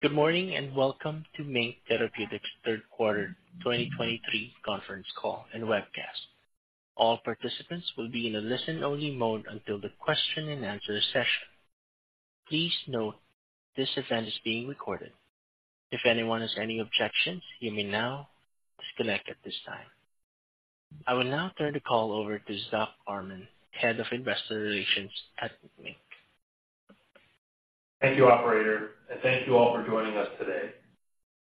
Good morning, and welcome to MiNK Therapeutics' third quarter 2023 conference call and webcast. All participants will be in a listen-only mode until the question and answer session. Please note, this event is being recorded. If anyone has any objections, you may now disconnect at this time. I will now turn the call over to Zack Armen, Head of Investor Relations at MiNK. Thank you, Operator, and thank you all for joining us today.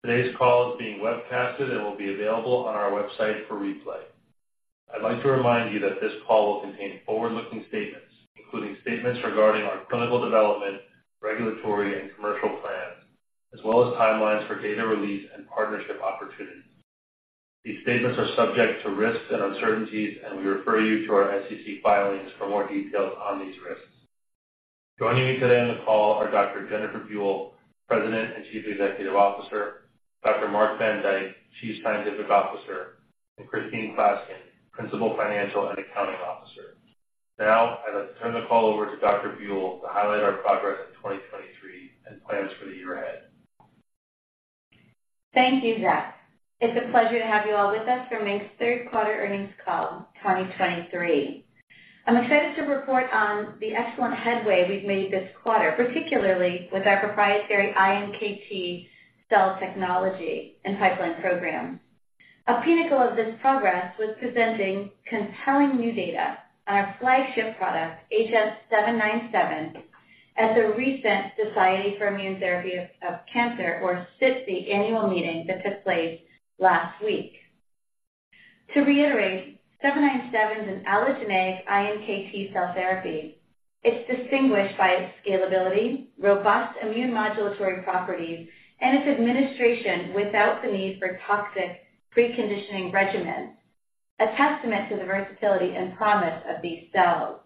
Today's call is being webcasted and will be available on our website for replay. I'd like to remind you that this call will contain forward-looking statements, including statements regarding our clinical development, regulatory and commercial plans, as well as timelines for data release and partnership opportunities. These statements are subject to risks and uncertainties, and we refer you to our SEC filings for more details on these risks. Joining me today on the call are Dr. Jennifer Buell, President and Chief Executive Officer, Dr. Marc van Dijk, Chief Scientific Officer, and Christine Klaskin, Principal Financial and Accounting Officer. Now, I'd like to turn the call over to Dr. Buell to highlight our progress in 2023 and plans for the year ahead. Thank you, Zack. It's a pleasure to have you all with us for MiNK's third quarter earnings call, 2023. I'm excited to report on the excellent headway we've made this quarter, particularly with our proprietary iNKT cell technology and pipeline program. A pinnacle of this progress was presenting compelling new data on our flagship product, agenT-797, at the recent Society for Immunotherapy of Cancer, or SITC annual meeting that took place last week. To reiterate, 797 is an allogeneic iNKT cell therapy. It's distinguished by its scalability, robust immune modulatory properties, and its administration without the need for toxic preconditioning regimens, a testament to the versatility and promise of these cells.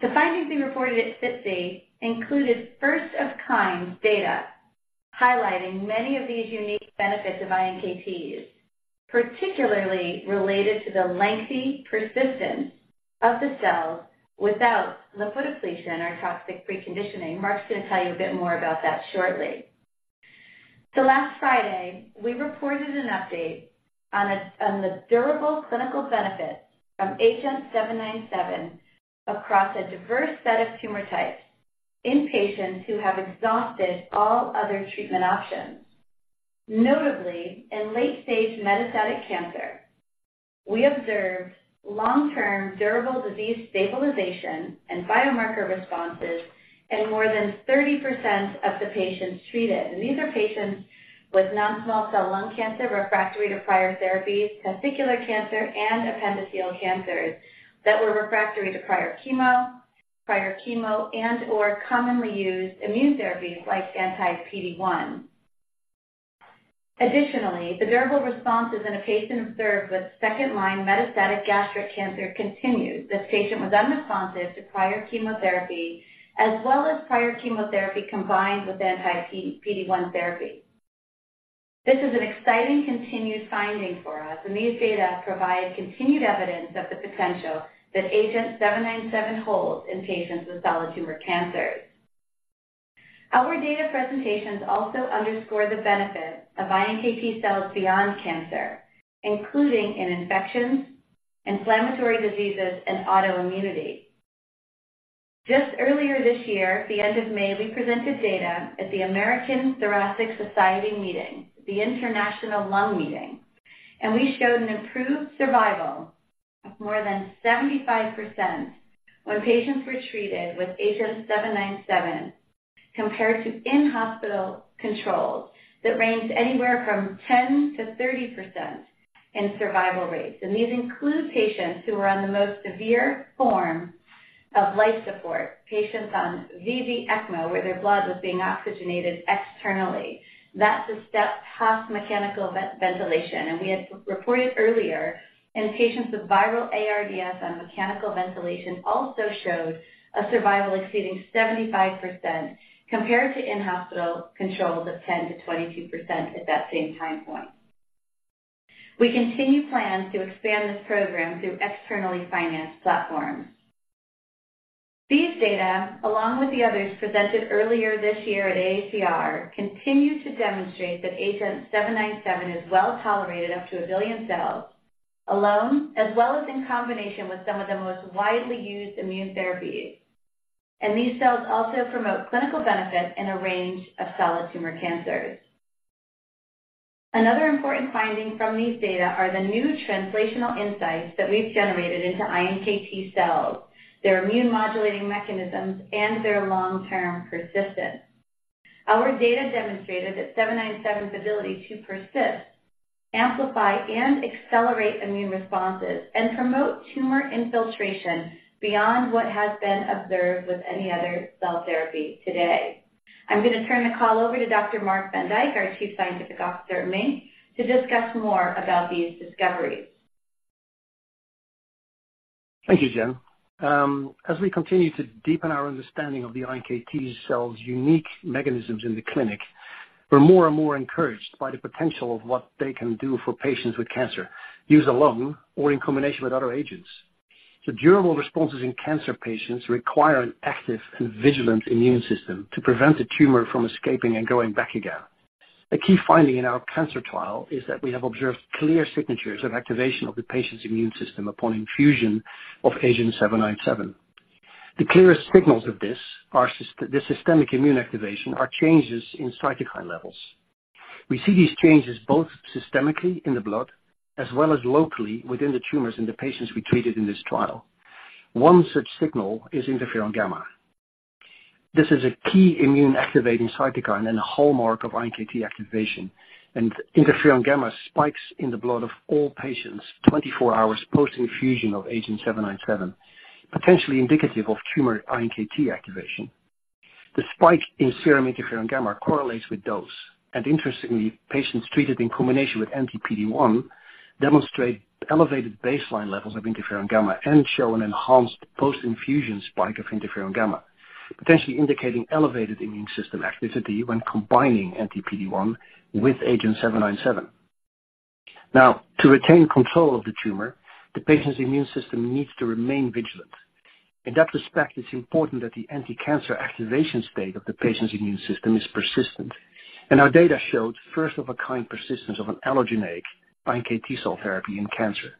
The findings we reported at SITC included first-of-kind data, highlighting many of these unique benefits of iNKTs, particularly related to the lengthy persistence of the cells without lymphodepletion or toxic preconditioning. Mark's going to tell you a bit more about that shortly. So last Friday, we reported an update on the durable clinical benefits from agenT-797 across a diverse set of tumor types in patients who have exhausted all other treatment options. Notably, in late stage metastatic cancer, we observed long-term durable disease stabilization and biomarker responses in more than 30% of the patients treated, and these are patients with non-small cell lung cancer, refractory to prior therapies, testicular cancer, and appendiceal cancers that were refractory to prior chemo and/or commonly used immune therapies like anti-PD-1. Additionally, the durable responses in a patient observed with second-line metastatic gastric cancer continued. This patient was unresponsive to prior chemotherapy, as well as prior chemotherapy combined with anti-PD-1 therapy. This is an exciting continued finding for us, and these data provide continued evidence of the potential that agenT-797 holds in patients with solid tumor cancers. Our data presentations also underscore the benefits of iNKT cells beyond cancer, including in infections, inflammatory diseases, and autoimmunity. Just earlier this year, at the end of May, we presented data at the American Thoracic Society meeting, the International Lung Meeting, and we showed an improved survival of more than 75% when patients were treated with agenT-797, compared to in-hospital controls that ranged anywhere from 10%-30% in survival rates. These include patients who were on the most severe form of life support, patients on VV-ECMO, where their blood was being oxygenated externally. That's a step past mechanical ventilation, and we had reported earlier in patients with viral ARDS on mechanical ventilation also showed a survival exceeding 75%, compared to in-hospital controls of 10%-22% at that same time point. We continue plans to expand this program through externally financed platforms. These data, along with the others presented earlier this year at AACR, continue to demonstrate that agenT-797 is well tolerated up to 1 billion cells alone, as well as in combination with some of the most widely used immune therapies, and these cells also promote clinical benefit in a range of solid tumor cancers. Another important finding from these data are the new translational insights that we've generated into iNKT cells, their immune modulating mechanisms, and their long-term persistence. Our data demonstrated that 797's ability to persist, amplify, and accelerate immune responses and promote tumor infiltration beyond what has been observed with any other cell therapy today. I'm going to turn the call over to Dr. Marc van Dijk, our Chief Scientific Officer at MiNK, to discuss more about these discoveries. Thank you, Jen. As we continue to deepen our understanding of the iNKT cells' unique mechanisms in the clinic-... We're more and more encouraged by the potential of what they can do for patients with cancer, used alone or in combination with other agents. So durable responses in cancer patients require an active and vigilant immune system to prevent the tumor from escaping and going back again. A key finding in our cancer trial is that we have observed clear signatures of activation of the patient's immune system upon infusion of agenT-797. The clearest signals of this are the systemic immune activation, are changes in cytokine levels. We see these changes both systemically in the blood as well as locally within the tumors in the patients we treated in this trial. One such signal is interferon gamma. This is a key immune activating cytokine and a hallmark of iNKT activation, and interferon gamma spikes in the blood of all patients 24 hours post infusion of AgenT-797, potentially indicative of tumor iNKT activation. The spike in serum interferon gamma correlates with dose, and interestingly, patients treated in combination with anti-PD-1 demonstrate elevated baseline levels of interferon gamma and show an enhanced post-infusion spike of interferon gamma, potentially indicating elevated immune system activity when combining anti-PD-1 with AgenT-797. Now, to retain control of the tumor, the patient's immune system needs to remain vigilant. In that respect, it's important that the anticancer activation state of the patient's immune system is persistent, and our data showed first of a kind persistence of an allogeneic iNKT cell therapy in cancer.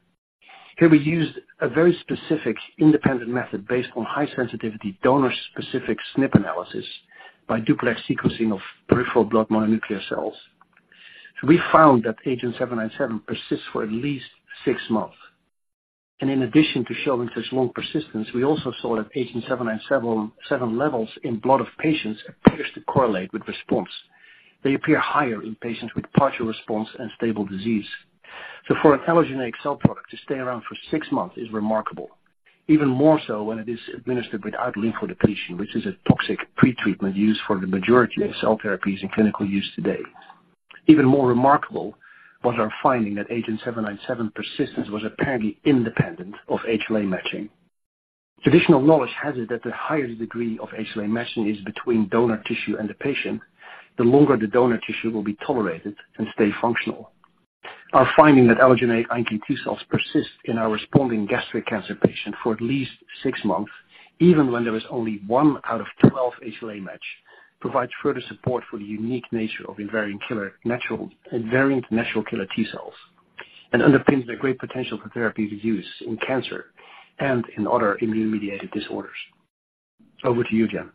Here we used a very specific independent method based on high sensitivity, donor-specific SNP analysis by duplex sequencing of peripheral blood mononuclear cells. We found that agenT-797 persists for at least six months, and in addition to showing such long persistence, we also saw that agenT-797 levels in blood of patients appears to correlate with response. They appear higher in patients with partial response and stable disease. So for an allogeneic cell product to stay around for six months is remarkable. Even more so when it is administered without lymphodepletion, which is a toxic pretreatment used for the majority of cell therapies in clinical use today. Even more remarkable was our finding that agenT-797 persistence was apparently independent of HLA matching. Traditional knowledge has it that the higher the degree of HLA matching is between donor tissue and the patient, the longer the donor tissue will be tolerated and stay functional. Our finding that allogeneic iNKT cells persist in our responding gastric cancer patient for at least six months, even when there is only one out of 12 HLA match, provides further support for the unique nature of invariant natural killer T cells and underpins the great potential for therapy to use in cancer and in other immune-mediated disorders. Over to you, Jen.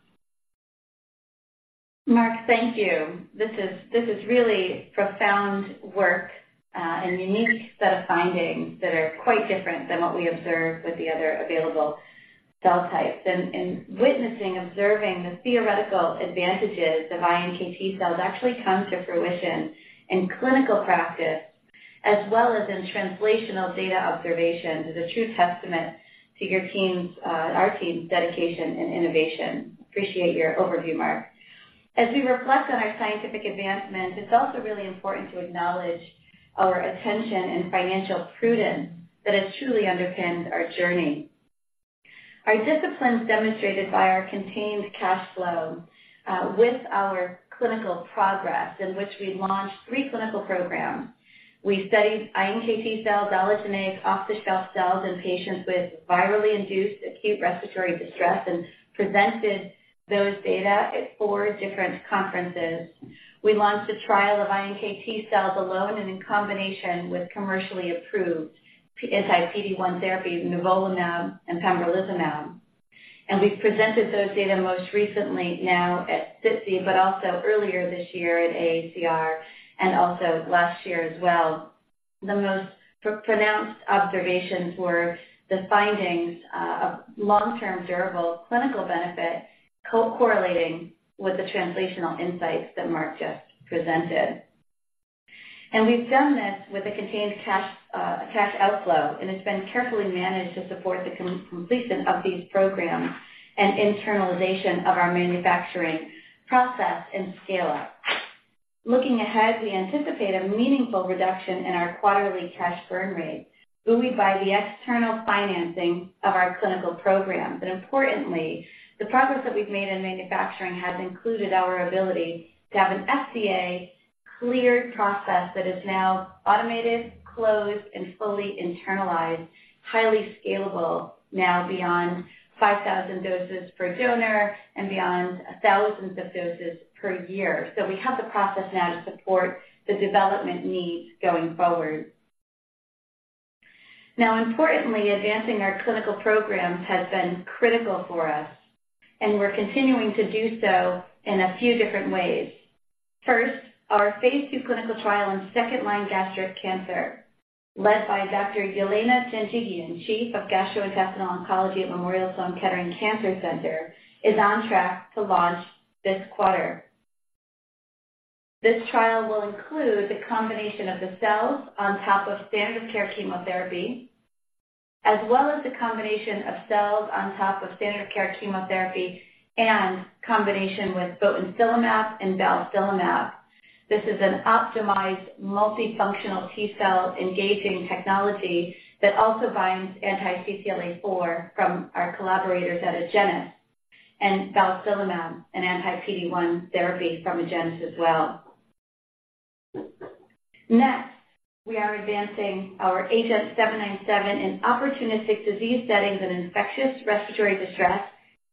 Mark, thank you. This is, this is really profound work, and a unique set of findings that are quite different than what we observed with the other available cell types. And, and witnessing, observing the theoretical advantages of iNKT cells actually come to fruition in clinical practice as well as in translational data observation, is a true testament to your team's, our team's dedication and innovation. Appreciate your overview, Mark. As we reflect on our scientific advancement, it's also really important to acknowledge our attention and financial prudence that has truly underpinned our journey. Our discipline is demonstrated by our contained cash flow with our clinical progress, in which we launched three clinical programs. We studied iNKT cells, allogeneic off-the-shelf cells in patients with virally induced acute respiratory distress, and presented those data at four different conferences. We launched a trial of iNKT cells alone and in combination with commercially approved anti-PD-1 therapy, nivolumab and pembrolizumab, and we've presented those data most recently now at SITC, but also earlier this year at AACR and also last year as well. The most pronounced observations were the findings of long-term durable clinical benefit co-correlating with the translational insights that Mark just presented. We've done this with a contained cash cash outflow, and it's been carefully managed to support the completion of these programs and internalization of our manufacturing process and scale-up. Looking ahead, we anticipate a meaningful reduction in our quarterly cash burn rate, buoyed by the external financing of our clinical programs. Importantly, the progress that we've made in manufacturing has included our ability to have an FDA-cleared process that is now automated, closed, and fully internalized, highly scalable now beyond 5,000 doses per donor and beyond thousands of doses per year. We have the process now to support the development needs going forward. Now, importantly, advancing our clinical programs has been critical for us, and we're continuing to do so in a few different ways. First, our phase 2 clinical trial in second-line gastric cancer, led by Dr. Yelena Janjigian, Chief of Gastrointestinal Oncology at Memorial Sloan Kettering Cancer Center, is on track to launch this quarter. This trial will include the combination of the cells on top of standard care chemotherapy, as well as the combination of cells on top of standard care chemotherapy and combination with botensilimab and balstilimab. This is an optimized multifunctional T-cell engaging technology that also binds anti-CTLA-4 from our collaborators at Agenus, and balstilimab, an anti-PD-1 therapy from Agenus as well. Next, we are advancing our agenT-797 in opportunistic disease settings and infectious respiratory distress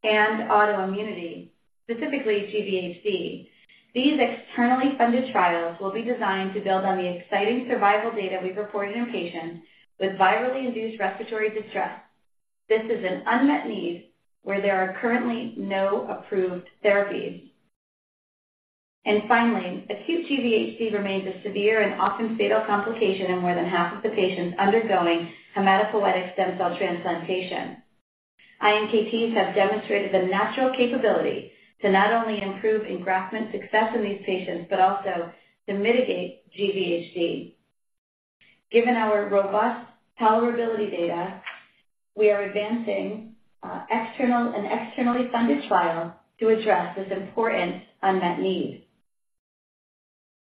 and autoimmunity, specifically GvHD. These externally funded trials will be designed to build on the exciting survival data we've reported in patients with virally induced respiratory distress. This is an unmet need where there are currently no approved therapies. And finally, acute GvHD remains a severe and often fatal complication in more than half of the patients undergoing hematopoietic stem cell transplantation. iNKT have demonstrated the natural capability to not only improve engraftment success in these patients, but also to mitigate GvHD. Given our robust tolerability data, we are advancing an externally funded trial to address this important unmet need.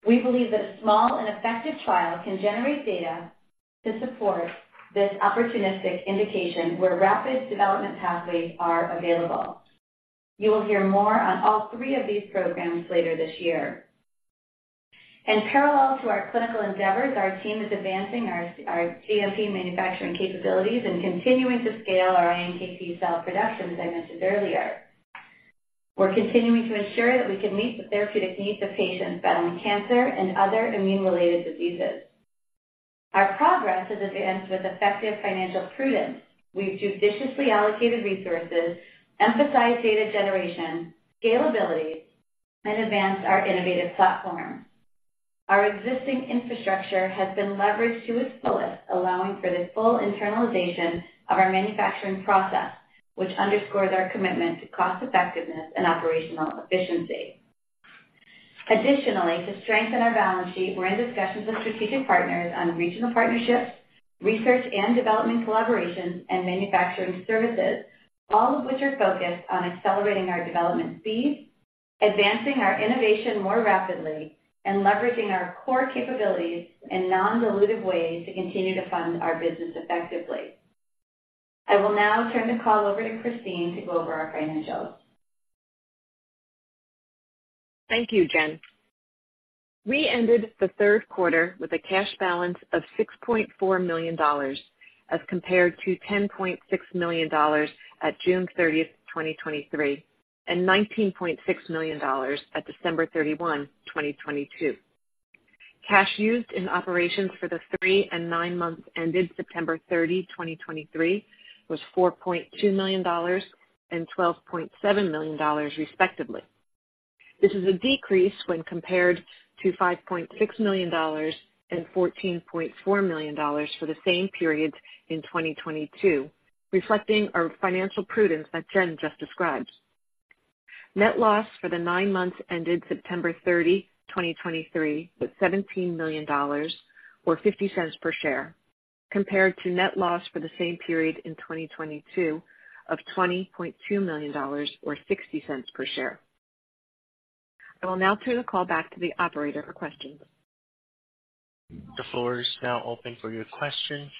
We believe that a small and effective trial can generate data to support this opportunistic indication where rapid development pathways are available. You will hear more on all three of these programs later this year. Parallel to our clinical endeavors, our team is advancing our GMP manufacturing capabilities and continuing to scale our iNKT cell production, as I mentioned earlier. We're continuing to ensure that we can meet the therapeutic needs of patients battling cancer and other immune-related diseases. Our progress is advanced with effective financial prudence. We've judiciously allocated resources, emphasized data generation, scalability, and advanced our innovative platform. Our existing infrastructure has been leveraged to its fullest, allowing for the full internalization of our manufacturing process, which underscores our commitment to cost-effectiveness and operational efficiency. Additionally, to strengthen our balance sheet, we're in discussions with strategic partners on regional partnerships, research and development collaborations, and manufacturing services, all of which are focused on accelerating our development speed, advancing our innovation more rapidly, and leveraging our core capabilities in non-dilutive ways to continue to fund our business effectively. I will now turn the call over to Christine to go over our financials. Thank you, Jen. We ended the third quarter with a cash balance of $6.4 million, as compared to $10.6 million at June 30, 2023, and $19.6 million at December 31, 2022. Cash used in operations for the three and nine months ended September 30, 2023, was $4.2 million and $12.7 million, respectively. This is a decrease when compared to $5.6 million and $14.4 million for the same periods in 2022, reflecting our financial prudence that Jen just described. Net loss for the nine months ended September 30, 2023, was $17 million, or $0.50 per share, compared to net loss for the same period in 2022 of $20.2 million, or $0.60 per share. I will now turn the call back to the operator for questions. The floor is now open for your questions.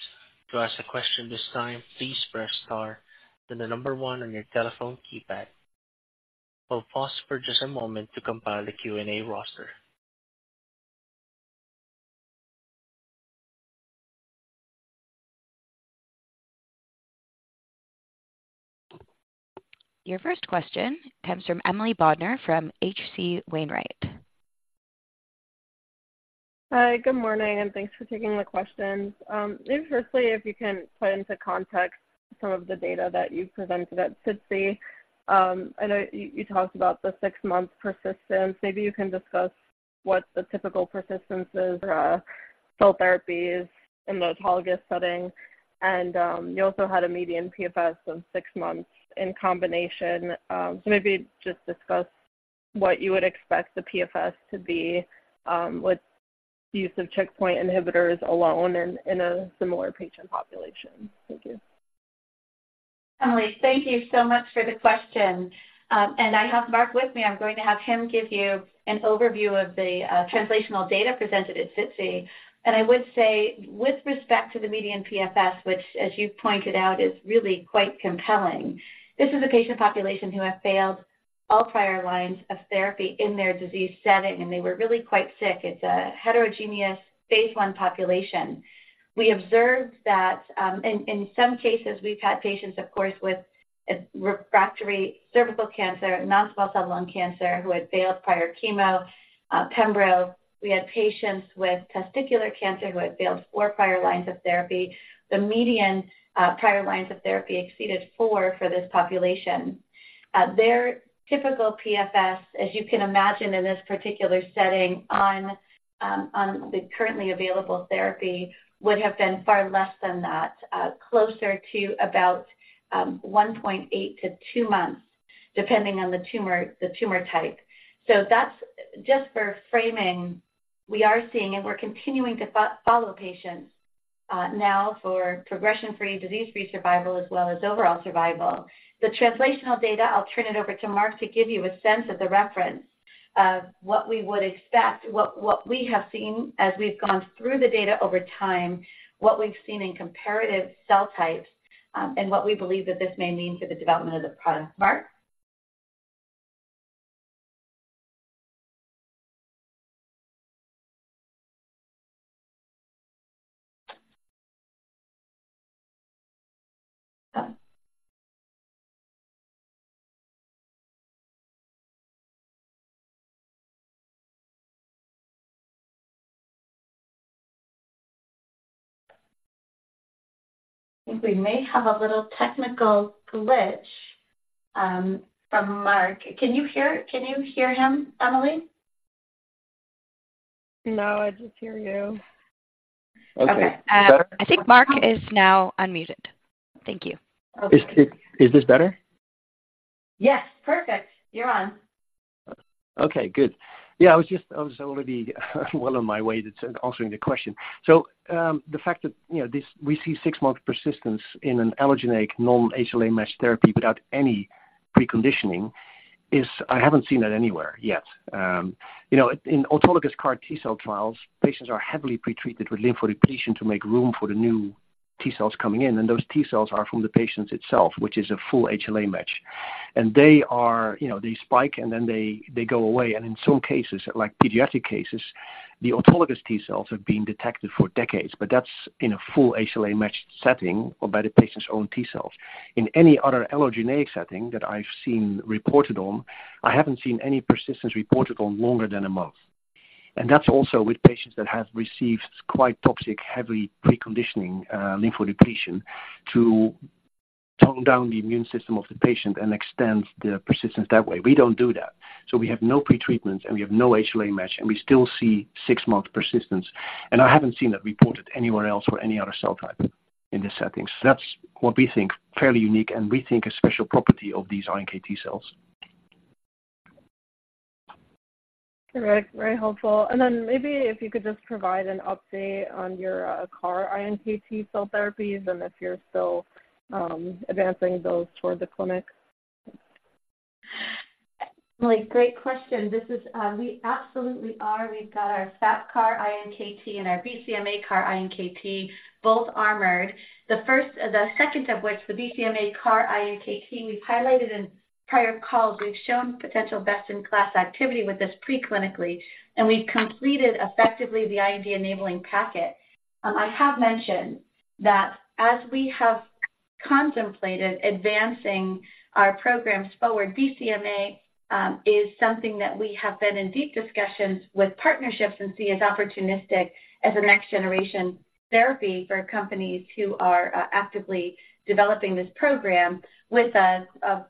To ask a question this time, please press star, then the number 1 on your telephone keypad. We'll pause for just a moment to compile the Q&A roster. Your first question comes from Emily Bodnar, from H.C. Wainwright. Hi, good morning, and thanks for taking the questions. Maybe firstly, if you can put into context some of the data that you presented at SITC. I know you talked about the 6-month persistence. Maybe you can discuss what the typical persistence is for cell therapies in the autologous setting. And you also had a median PFS of 6 months in combination. So maybe just discuss what you would expect the PFS to be with the use of checkpoint inhibitors alone in a similar patient population. Thank you. Emily, thank you so much for the question. I have Mark with me. I'm going to have him give you an overview of the translational data presented at SITC. I would say, with respect to the median PFS, which as you've pointed out, is really quite compelling, this is a patient population who have failed all prior lines of therapy in their disease setting, and they were really quite sick. It's a heterogeneous phase 1 population. We observed that in some cases, we've had patients, of course, with refractory cervical cancer, non-small cell lung cancer, who had failed prior chemo, Pembro. We had patients with testicular cancer who had failed 4 prior lines of therapy. The median prior lines of therapy exceeded 4 for this population. Their typical PFS, as you can imagine in this particular setting, on the currently available therapy, would have been far less than that, closer to about 1.8-2 months, depending on the tumor, the tumor type. So that's just for framing. We are seeing and we're continuing to follow patients now for progression-free, disease-free survival, as well as overall survival. The translational data, I'll turn it over to Mark to give you a sense of the reference of what we would expect, what we have seen as we've gone through the data over time, what we've seen in comparative cell types, and what we believe that this may mean for the development of the product. Mark?... I think we may have a little technical glitch from Mark. Can you hear him, Emily? No, I just hear you. Okay. Okay, better? I think Mark is now unmuted. Thank you. Is this better? Yes, perfect. You're on. Okay, good. Yeah, I was already well on my way to answering the question. So, the fact that, you know, this, we see six-month persistence in an allogeneic non-HLA-matched therapy without any preconditioning is I haven't seen that anywhere yet. You know, in autologous CAR T cell trials, patients are heavily pretreated with lymph depletion to make room for the new T cells coming in, and those T cells are from the patients itself, which is a full HLA match. And they are, you know, they spike, and then they go away. And in some cases, like pediatric cases, the autologous T cells have been detected for decades, but that's in a full HLA-matched setting or by the patient's own T cells. In any other allogeneic setting that I've seen reported on, I haven't seen any persistence reported on longer than a month. That's also with patients that have received quite toxic, heavy preconditioning, lymphodepletion, to tone down the immune system of the patient and extend the persistence that way. We don't do that, so we have no pretreatment, and we have no HLA match, and we still see 6-month persistence. I haven't seen that reported anywhere else for any other cell type in this setting. That's what we think, fairly unique, and we think a special property of these iNKT cells. Correct. Very helpful. And then maybe if you could just provide an update on your CAR-iNKT cell therapies and if you're still advancing those toward the clinic? Like, great question. This is, we absolutely are. We've got our FAP CAR-iNKT and our BCMA CAR-iNKT, both armored. The first, the second of which, the BCMA CAR-iNKT, we've highlighted in prior calls. We've shown potential best-in-class activity with this preclinically, and we've completed effectively the IND-enabling package. I have mentioned that as we have contemplated advancing our programs forward, BCMA is something that we have been in deep discussions with partnerships and see as opportunistic as a next-generation therapy for companies who are actively developing this program with a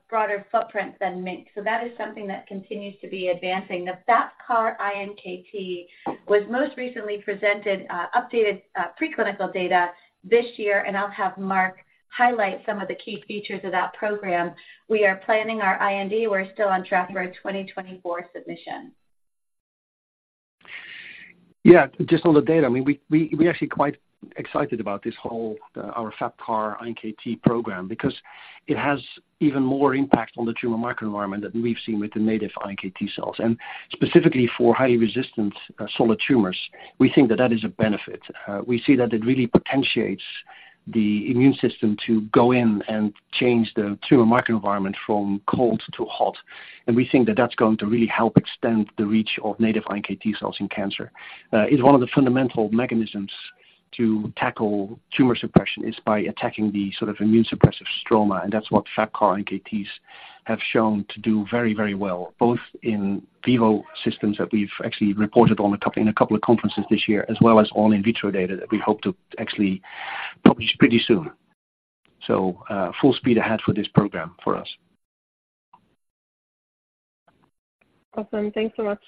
broader footprint than MiNK. So that is something that continues to be advancing. The FAP CAR-iNKT was most recently presented updated preclinical data this year, and I'll have Mark highlight some of the key features of that program. We are planning our IND. We're still on track for a 2024 submission. Yeah, just on the data, I mean, we're actually quite excited about this whole our FAP CAR-iNKT program because it has even more impact on the tumor microenvironment than we've seen with the native iNKT cells, and specifically for highly resistant solid tumors, we think that that is a benefit. We see that it really potentiates the immune system to go in and change the tumor microenvironment from cold to hot, and we think that that's going to really help extend the reach of native iNKT cells in cancer. It's one of the fundamental mechanisms to tackle tumor suppression is by attacking the sort of immune suppressive stroma, and that's what FAP CAR-iNKTs have shown to do very, very well, both in vivo systems that we've actually reported on a couple, in a couple of conferences this year, as well as all in vitro data that we hope to actually publish pretty soon. So, full speed ahead for this program for us. Awesome. Thanks so much.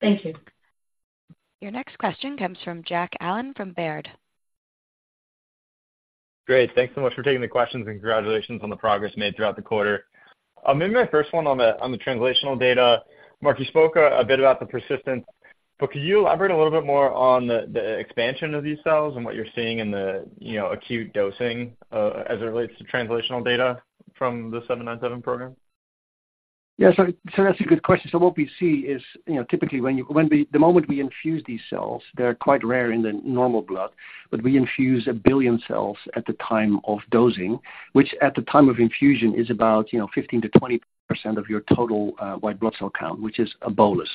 Thank you. Your next question comes from Jack Allen, from Baird. Great. Thanks so much for taking the questions, and congratulations on the progress made throughout the quarter. Maybe my first one on the translational data. Mark, you spoke a bit about the persistence, but could you elaborate a little bit more on the expansion of these cells and what you're seeing in the, you know, acute dosing, as it relates to translational data from the seven nine seven program? Yeah, so, so that's a good question. So what we see is, you know, typically when you—when we, the moment we infuse these cells, they're quite rare in the normal blood, but we infuse 1 billion cells at the time of dosing, which at the time of infusion is about, you know, 15%-20% of your total white blood cell count, which is a bolus.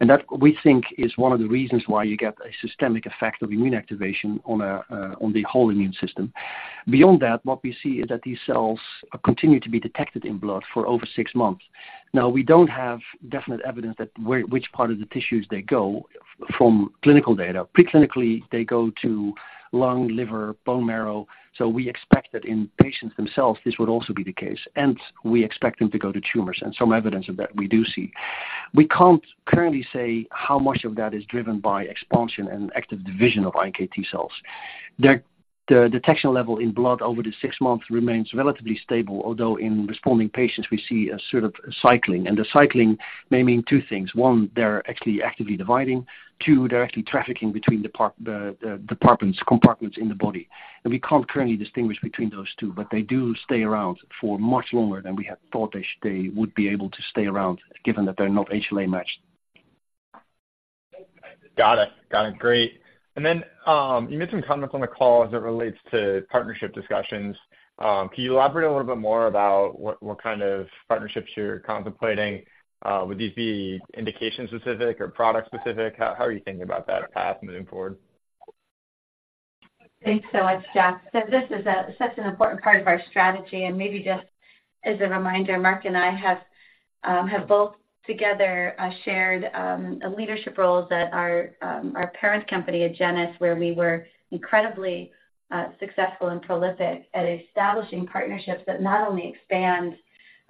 And that, we think, is one of the reasons why you get a systemic effect of immune activation on a, on the whole immune system. Beyond that, what we see is that these cells continue to be detected in blood for over 6 months. Now, we don't have definite evidence that where—which part of the tissues they go from clinical data. Preclinically, they go to lung, liver, bone marrow, so we expect that in patients themselves, this would also be the case, and we expect them to go to tumors, and some evidence of that we do see. We can't currently say how much of that is driven by expansion and active division of iNKT cells. The detection level in blood over the six months remains relatively stable, although in responding patients, we see a sort of cycling, and the cycling may mean two things. One, they're actually actively dividing. Two, they're actually trafficking between compartments in the body. We can't currently distinguish between those two, but they do stay around for much longer than we had thought they would be able to stay around, given that they're not HLA-matched.... Got it. Got it, great. And then, you made some comments on the call as it relates to partnership discussions. Can you elaborate a little bit more about what kind of partnerships you're contemplating? Would these be indication-specific or product-specific? How are you thinking about that path moving forward? Thanks so much, Jeff. So this is such an important part of our strategy, and maybe just as a reminder, Mark and I have both together shared leadership roles at our parent company at Agenus, where we were incredibly successful and prolific at establishing partnerships that not only expand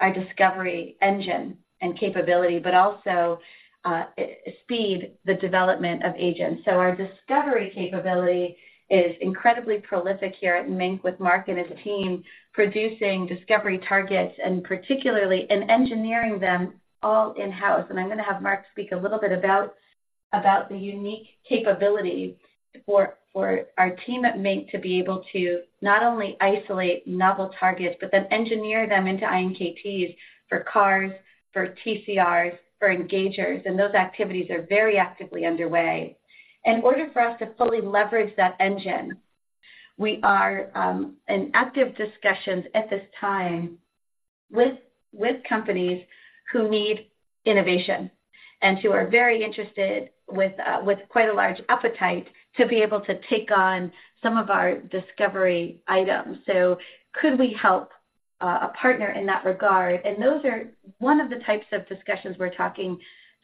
our discovery engine and capability, but also speed the development of agents. So our discovery capability is incredibly prolific here at MiNK, with Mark and his team producing discovery targets, and particularly engineering them all in-house. And I'm gonna have Mark speak a little bit about the unique capability for our team at MiNK to be able to not only isolate novel targets, but then engineer them into iNKTs for CARs, for TCRs, for engagers, and those activities are very actively underway. In order for us to fully leverage that engine, we are in active discussions at this time with companies who need innovation and who are very interested with quite a large appetite to be able to take on some of our discovery items. So could we help a partner in that regard? And those are... One of the types of discussions we're talking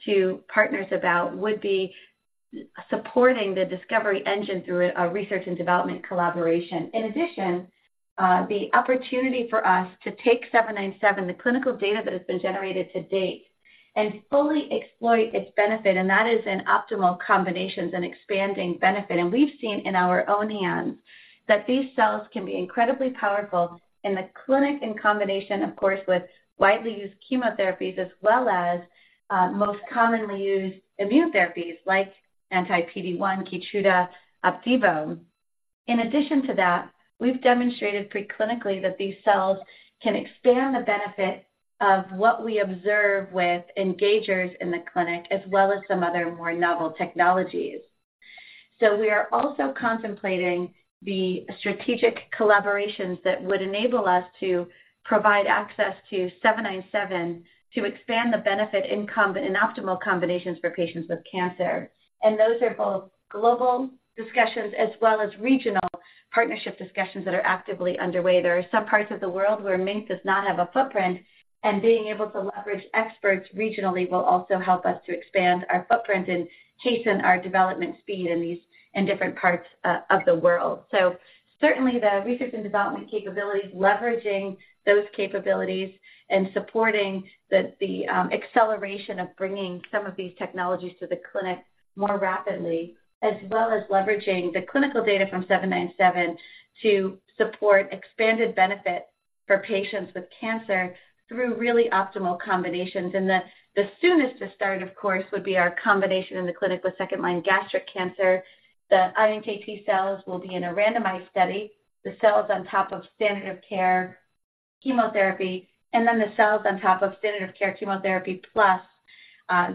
to partners about would be supporting the discovery engine through a research and development collaboration. In addition, the opportunity for us to take agenT-797, the clinical data that has been generated to date, and fully exploit its benefit, and that is in optimal combinations and expanding benefit. We've seen in our own hands that these cells can be incredibly powerful in the clinic, in combination, of course, with widely used chemotherapies, as well as most commonly used immunotherapies like anti-PD-1, Keytruda, Opdivo. In addition to that, we've demonstrated preclinically that these cells can expand the benefit of what we observe with engagers in the clinic, as well as some other more novel technologies. So we are also contemplating the strategic collaborations that would enable us to provide access to agenT-797, to expand the benefit in combination in optimal combinations for patients with cancer. And those are both global discussions as well as regional partnership discussions that are actively underway. There are some parts of the world where MiNK does not have a footprint, and being able to leverage experts regionally will also help us to expand our footprint and hasten our development speed in different parts of the world. So certainly, the research and development capabilities, leveraging those capabilities and supporting the acceleration of bringing some of these technologies to the clinic more rapidly, as well as leveraging the clinical data from 797 to support expanded benefit for patients with cancer through really optimal combinations. And the soonest to start, of course, would be our combination in the clinic with second-line gastric cancer. The iNKT cells will be in a randomized study, the cells on top of standard of care chemotherapy, and then the cells on top of standard of care chemotherapy, plus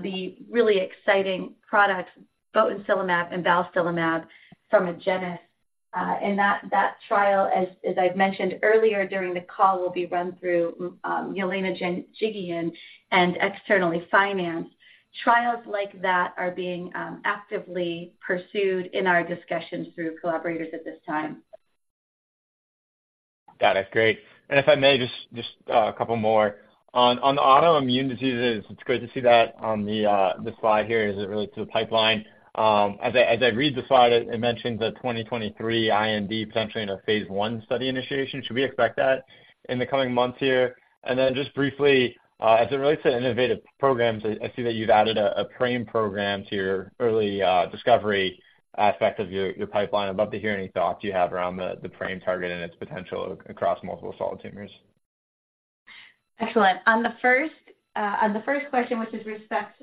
the really exciting product botensilimab and balstilimab from Agenus. And that trial, as I've mentioned earlier during the call, will be run through Yelena Janjigian and externally financed. Trials like that are being actively pursued in our discussions through collaborators at this time. Got it. Great. And if I may, just a couple more. On the autoimmune diseases, it's great to see that on the slide here as it relates to the pipeline. As I read the slide, it mentions a 2023 IND potentially in a phase 1 study initiation. Should we expect that in the coming months here? And then just briefly, as it relates to innovative programs, I see that you've added a FAP program to your early discovery aspect of your pipeline. I'd love to hear any thoughts you have around the FAP target and its potential across multiple solid tumors. Excellent. On the first question, which is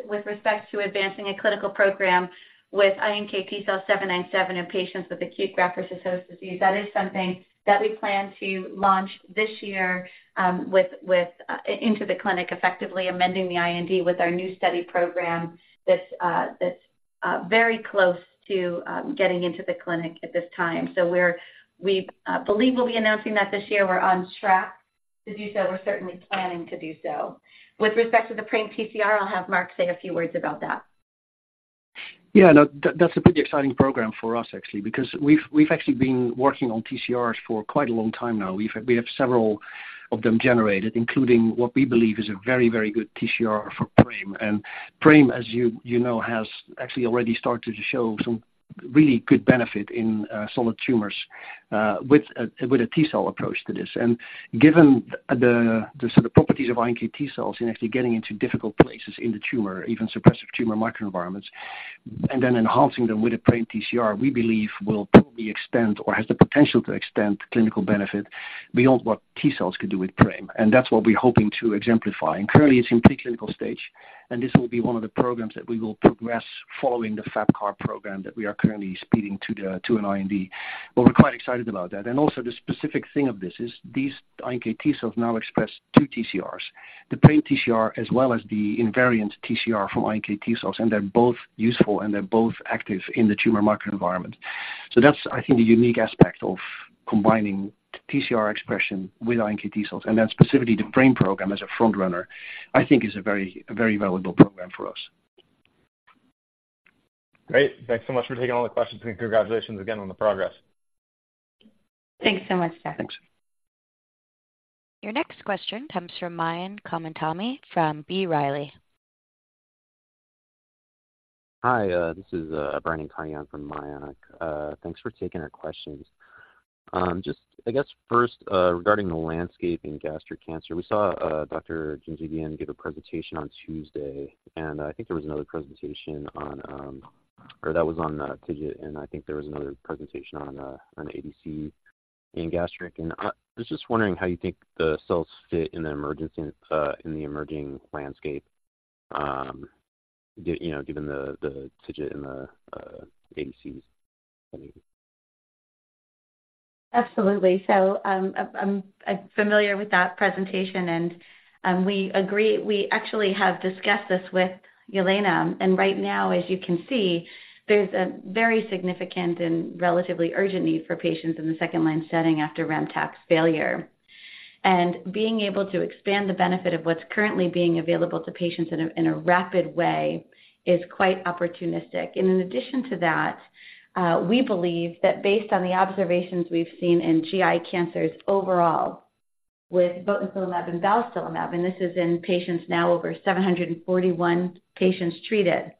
with respect to advancing a clinical program with iNKT cell 797 in patients with acute graft-versus-host disease, that is something that we plan to launch this year into the clinic, effectively amending the IND with our new study program that's very close to getting into the clinic at this time. So we believe we'll be announcing that this year. We're on track to do so. We're certainly planning to do so. With respect to the prime TCR, I'll have Mark say a few words about that. Yeah, no, that's a pretty exciting program for us actually, because we've actually been working on TCRs for quite a long time now. We have several of them generated, including what we believe is a very, very good TCR for Prime. And PRAME, as you know, has actually already started to show some really good benefit in solid tumors with a T-cell approach to this. And given the sort of properties of iNKT cells in actually getting into difficult places in the tumor, even suppressive tumor microenvironments, and then enhancing them with a prime TCR, we believe will probably extend or has the potential to extend clinical benefit beyond what T-cells could do with Prime, and that's what we're hoping to exemplify. Currently, it's in preclinical stage, and this will be one of the programs that we will progress following the FAP CAR program that we are currently speeding to an IND. Well, we're quite excited about that. And also the specific thing of this is these iNKT cells now express two TCRs, the FAP TCR as well as the invariant TCR from iNKT cells, and they're both useful, and they're both active in the tumor microenvironment. So that's, I think, the unique aspect of combining TCR expression with iNKT cells, and then specifically the FAP program as a front runner, I think is a very, a very valuable program for us. Great. Thanks so much for taking all the questions, and congratulations again on the progress. Thanks so much, Jeff. Thanks. Your next question comes from Mayank Mamtani from B. Riley. Hi, this is Brian Kanyon from Mayank. Thanks for taking our questions. Just I guess first, regarding the landscape in gastric cancer, we saw Dr. Janjigian give a presentation on Tuesday, and I think there was another presentation on, or that was on TIGIT, and I think there was another presentation on ADC in gastric. I was just wondering how you think the cells fit in the emergency - in the emerging landscape, you know, given the TIGIT and the ADCs setting? Absolutely. So, I'm familiar with that presentation, and we agree. We actually have discussed this with Yelena, and right now, as you can see, there's a very significant and relatively urgent need for patients in the second-line setting after ramucirumab failure. Being able to expand the benefit of what's currently being available to patients in a rapid way is quite opportunistic. In addition to that, we believe that based on the observations we've seen in GI cancers overall with botensilimab and balstilimab, and this is in patients now, over 741 patients treated,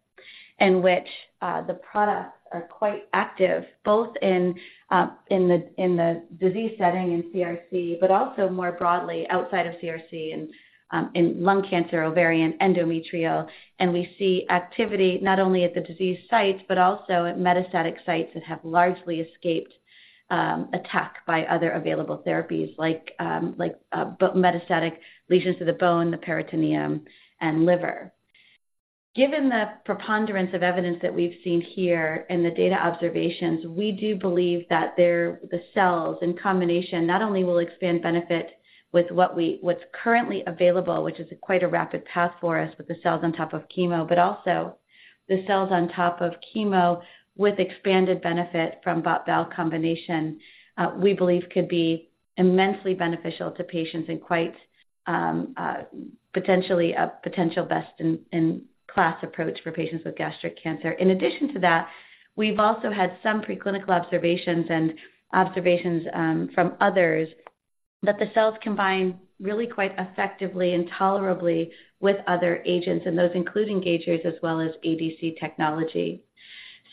in which the products are quite active, both in the disease setting in CRC, but also more broadly outside of CRC, in lung cancer, ovarian, endometrial. We see activity not only at the disease sites but also at metastatic sites that have largely escaped attack by other available therapies like metastatic lesions to the bone, the peritoneum, and liver. Given the preponderance of evidence that we've seen here and the data observations, we do believe that the cells in combination not only will expand benefit with what's currently available, which is quite a rapid path for us with the cells on top of chemo, but also the cells on top of chemo with expanded benefit from bot/val combination, we believe could be immensely beneficial to patients and quite potentially a best in class approach for patients with gastric cancer. In addition to that, we've also had some preclinical observations from others, that the cells combine really quite effectively and tolerably with other agents, and those include engagers as well as ADC technology.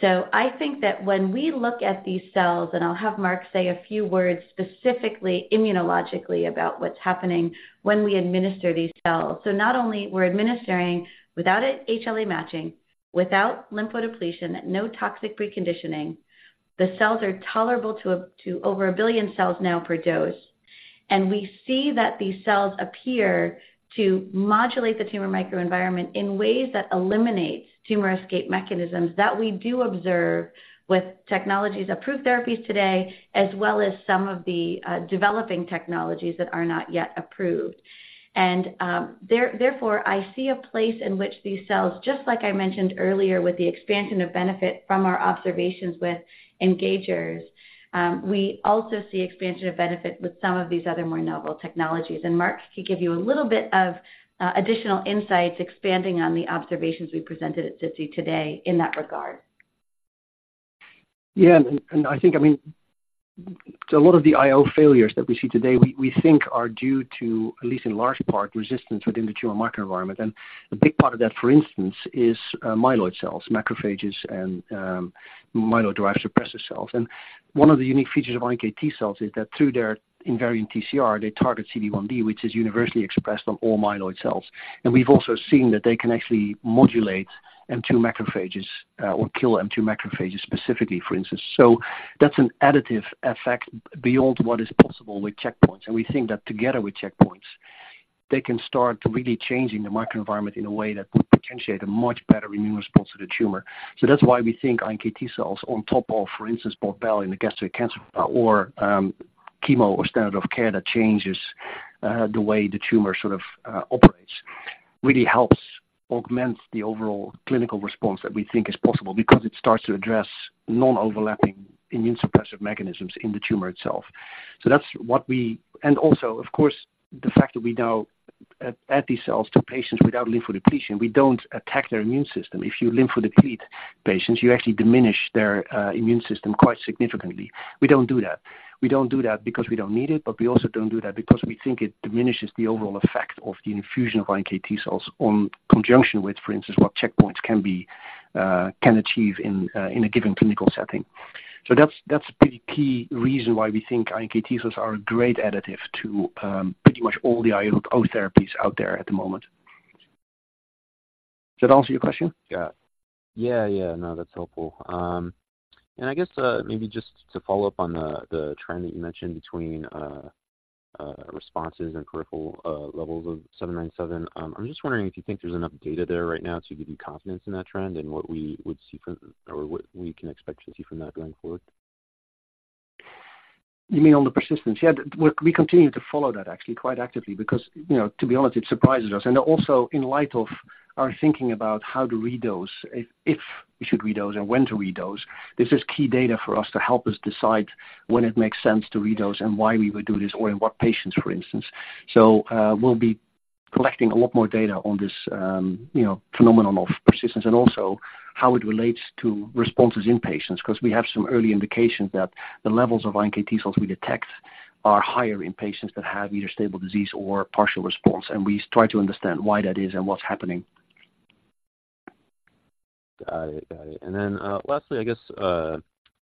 So I think that when we look at these cells, and I'll have Mark say a few words, specifically immunologically, about what's happening when we administer these cells. So not only we're administering without HLA matching, without lymphodepletion, no toxic preconditioning, the cells are tolerable to over 1 billion cells now per dose. And we see that these cells appear to modulate the tumor microenvironment in ways that eliminates tumor escape mechanisms that we do observe with technologies, approved therapies today, as well as some of the developing technologies that are not yet approved. And, therefore, I see a place in which these cells, just like I mentioned earlier, with the expansion of benefit from our observations with engagers, we also see expansion of benefit with some of these other more novel technologies. And Mark could give you a little bit of additional insights expanding on the observations we presented at SITC today in that regard. Yeah, and I think, I mean, so a lot of the IO failures that we see today, we think are due to, at least in large part, resistance within the tumor microenvironment. And a big part of that, for instance, is myeloid cells, macrophages, and myeloid-derived suppressor cells. And one of the unique features of iNKT cells is that through their invariant TCR, they target CD1D, which is universally expressed on all myeloid cells. And we've also seen that they can actually modulate M2 macrophages or kill M2 macrophages specifically, for instance. So that's an additive effect beyond what is possible with checkpoints. And we think that together with checkpoints, they can start really changing the microenvironment in a way that could potentiate a much better immune response to the tumor. So that's why we think iNKT cells on top of, for instance, bot/val in the gastric cancer or chemo or standard of care, that changes the way the tumor sort of operates, really helps augment the overall clinical response that we think is possible because it starts to address non-overlapping immune suppressive mechanisms in the tumor itself. So that's what we... And also, of course, the fact that we now add these cells to patients without lymphodepletion, we don't attack their immune system. If you lymphodeplete patients, you actually diminish their immune system quite significantly. We don't do that. We don't do that because we don't need it, but we also don't do that because we think it diminishes the overall effect of the infusion of iNKT cells in conjunction with, for instance, what checkpoints can achieve in a given clinical setting. So that's a pretty key reason why we think iNKT cells are a great additive to pretty much all the IO therapies out there at the moment. Does that answer your question? Yeah. Yeah, yeah. No, that's helpful. And I guess maybe just to follow up on the trend that you mentioned between responses and peripheral levels of 797. I'm just wondering if you think there's enough data there right now to give you confidence in that trend and what we would see from or what we can expect to see from that going forward? You mean on the persistence? Yeah, we continue to follow that actually, quite actively, because, you know, to be honest, it surprises us. And also in light of our thinking about how to redose, if we should redose and when to redose, this is key data for us to help us decide when it makes sense to redose and why we would do this, or in what patients, for instance. So, we'll be collecting a lot more data on this, you know, phenomenon of persistence and also how it relates to responses in patients, 'cause we have some early indications that the levels of iNKT cells we detect are higher in patients that have either stable disease or partial response. And we try to understand why that is and what's happening. Got it. Got it. And then, lastly, I guess, I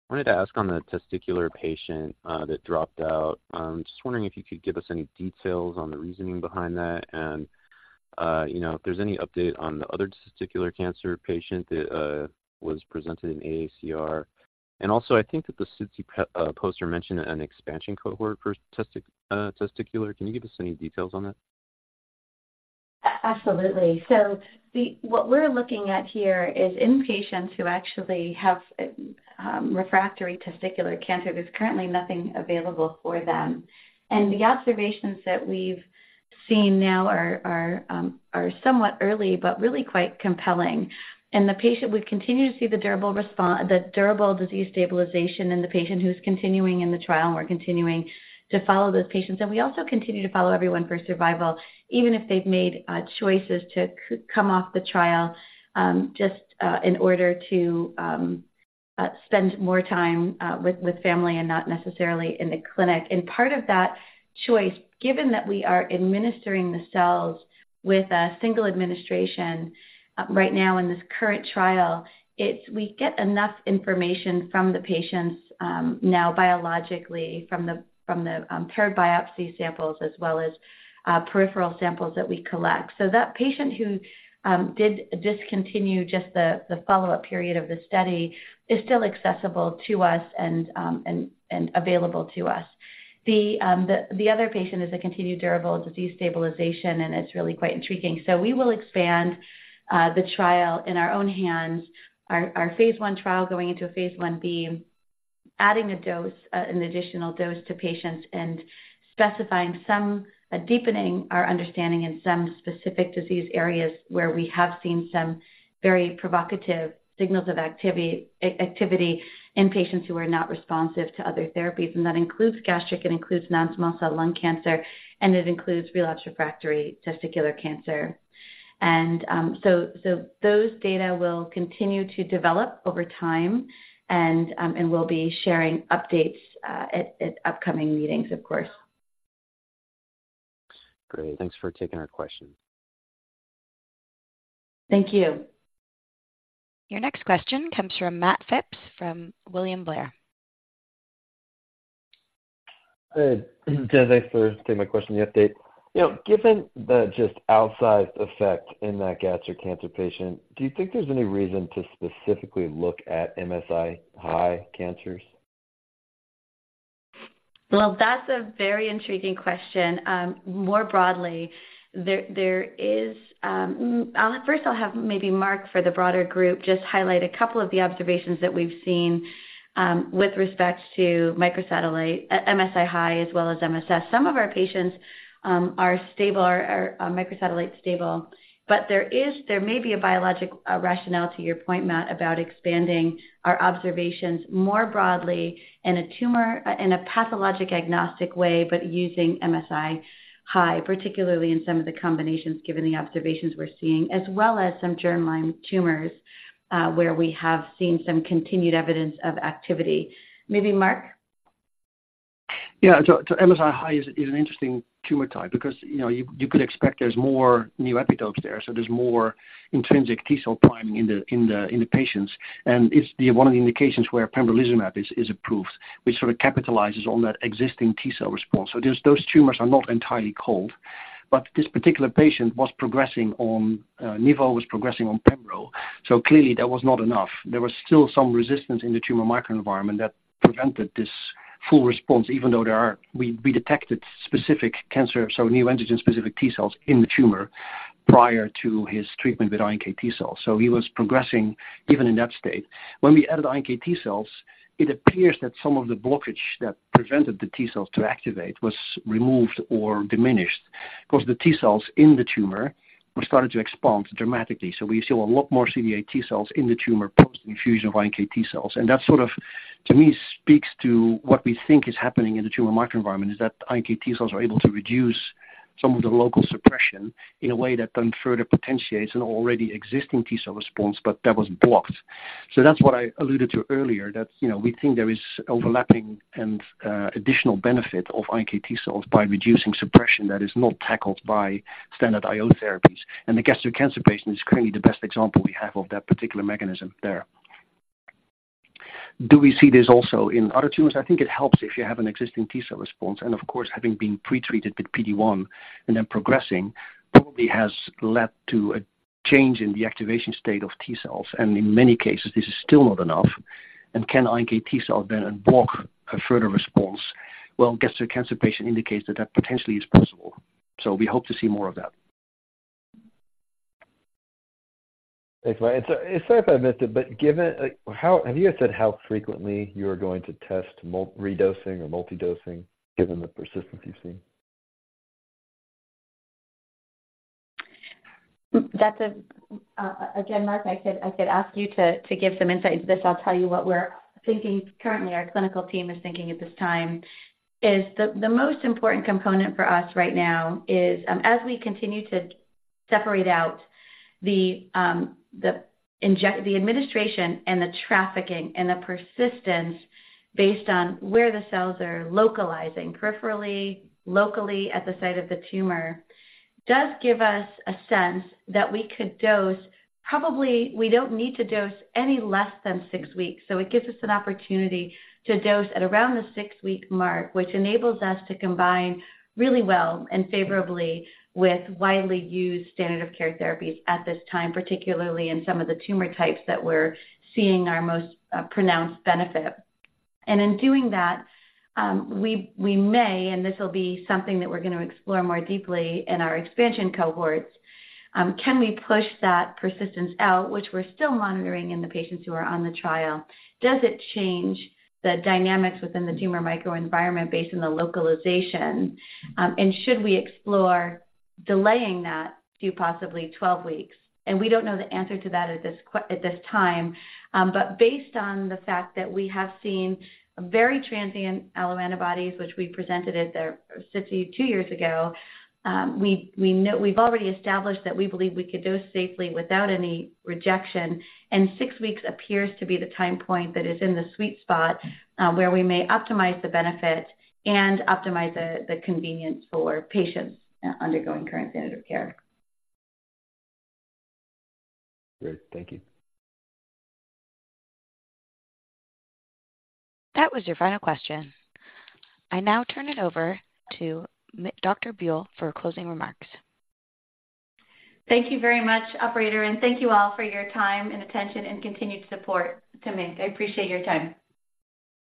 wanted to ask on the testicular patient that dropped out. Just wondering if you could give us any details on the reasoning behind that and, you know, if there's any update on the other testicular cancer patient that was presented in AACR. And also, I think that the SITC poster mentioned an expansion cohort for testicular. Can you give us any details on that? Absolutely. So what we're looking at here is in patients who actually have refractory testicular cancer, there's currently nothing available for them. And the observations that we've seen now are somewhat early, but really quite compelling. And the patient, we continue to see the durable response, the durable disease stabilization in the patient who's continuing in the trial, and we're continuing to follow those patients. And we also continue to follow everyone for survival, even if they've made choices to come off the trial, just in order to spend more time with family and not necessarily in the clinic. Part of that choice, given that we are administering the cells with a single administration, right now in this current trial, it's we get enough information from the patients, now biologically from the paired biopsy samples as well as peripheral samples that we collect. So that patient who did discontinue just the follow-up period of the study is still accessible to us and available to us. The other patient is a continued durable disease stabilization, and it's really quite intriguing. So we will expand the trial in our own hands, our phase one trial going into a phase one B, adding a dose, an additional dose to patients and specifying some... Deepening our understanding in some specific disease areas where we have seen some very provocative signals of activity in patients who are not responsive to other therapies, and that includes gastric, it includes non-small cell lung cancer, and it includes relapse refractory testicular cancer. So those data will continue to develop over time, and we'll be sharing updates at upcoming meetings, of course. Great. Thanks for taking our question. Thank you. Your next question comes from Matt Phipps from William Blair. Hey, thanks for taking my question, the update. You know, given the just outsized effect in that gastric cancer patient, do you think there's any reason to specifically look at MSI-high cancers? Well, that's a very intriguing question. More broadly, there is... I'll first have maybe Mark for the broader group just highlight a couple of the observations that we've seen with respect to microsatellite, MSI-high as well as MSS. Some of our patients are stable, are microsatellite stable, but there may be a biologic rationale to your point, Matt, about expanding our observations more broadly in a tumor, in a pathologic agnostic way, but using MSI-high, particularly in some of the combinations, given the observations we're seeing, as well as some germline tumors where we have seen some continued evidence of activity. Maybe, Mark? Yeah. So MSI-high is an interesting tumor type because, you know, you could expect there's more new epitopes there, so there's more intrinsic T cell priming in the patients. And it's one of the indications where pembrolizumab is approved, which sort of capitalizes on that existing T cell response. So those tumors are not entirely cold. But this particular patient was progressing on nivo, was progressing on pembro, so clearly that was not enough. There was still some resistance in the tumor microenvironment that prevented this full response, even though there are. We detected specific cancer so neoantigen specific T cells in the tumor prior to his treatment with iNKT cells. So he was progressing even in that state. When we added iNKT cells, it appears that some of the blockage that prevented the T cells to activate was removed or diminished. Of course, the T cells in the tumor were started to expand dramatically. So we saw a lot more CD8 T cells in the tumor post infusion of iNKT cells. And that sort of, to me, speaks to what we think is happening in the tumor microenvironment, is that iNKT cells are able to reduce some of the local suppression in a way that then further potentiates an already existing T cell response, but that was blocked. So that's what I alluded to earlier, that, you know, we think there is overlapping and additional benefit of iNKT cells by reducing suppression that is not tackled by standard IO therapies. And the gastric cancer patient is currently the best example we have of that particular mechanism there. Do we see this also in other tumors? I think it helps if you have an existing T cell response, and of course, having been pretreated with PD-1 and then progressing, probably has led to a change in the activation state of T cells, and in many cases, this is still not enough. And can NKT cell then unblock a further response? Well, gastric cancer patient indicates that that potentially is possible, so we hope to see more of that. Thanks. And so, sorry if I missed it, but given, like, how have you guys said how frequently you are going to test redosing or multi-dosing, given the persistence you've seen? That's a, again, Mark, I could ask you to give some insight into this. I'll tell you what we're thinking currently, our clinical team is thinking at this time, is the most important component for us right now is, as we continue to separate out the injection, the administration and the trafficking and the persistence based on where the cells are localizing, peripherally, locally, at the site of the tumor, does give us a sense that we could dose. Probably, we don't need to dose any less than six weeks. So it gives us an opportunity to dose at around the six-week mark, which enables us to combine really well and favorably with widely used standard of care therapies at this time, particularly in some of the tumor types that we're seeing our most pronounced benefit. And in doing that, we may, and this will be something that we're going to explore more deeply in our expansion cohorts, can we push that persistence out, which we're still monitoring in the patients who are on the trial? Does it change the dynamics within the tumor microenvironment based on the localization? And should we explore delaying that to possibly 12 weeks? And we don't know the answer to that at this time, but based on the fact that we have seen very transient alloantibodies, which we presented at the SITC two years ago, we know... We've already established that we believe we could dose safely without any rejection, and 6 weeks appears to be the time point that is in the sweet spot, where we may optimize the benefit and optimize the convenience for patients undergoing current standard of care. Great. Thank you. That was your final question. I now turn it over to Dr. Buell for closing remarks. Thank you very much, operator, and thank you all for your time and attention and continued support to MiNK. I appreciate your time.